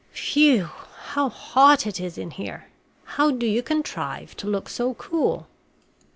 Phew ew! how hot it is here! How do you contrive to look so cool?"